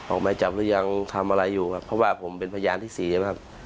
ออกหมายจับหรือยังทำอะไรอยู่ครับเพราะว่าผมเป็นพยานที่สี่นะครับ